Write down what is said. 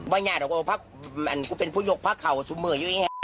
วันอย่างเดี๋ยวมันเป็นพุยกพระเขาสุมมืออยู่อย่างนี้